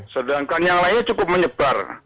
sedangkan yang lainnya cukup menyebar